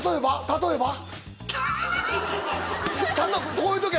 「例えば」や。